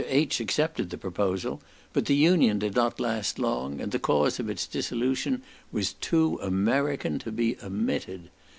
H. accepted the proposal, but the union did not last long, and the cause of its dissolution was too American to be omitted.